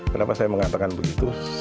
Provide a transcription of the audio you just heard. kenapa saya mengatakan begitu